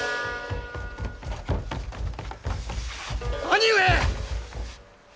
兄上！